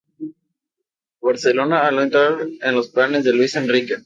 Barcelona al no entrar en los planes de Luis Enrique.